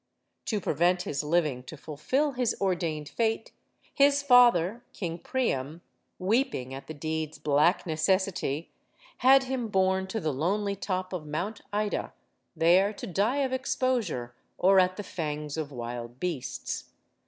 To prevent his living to fulfill his ordained fate, his father, King Priam weeping at the deed's black necessity had him borne to the lonely top of Mount Ida, there to die of exposure, or at the fangs of wild beasts.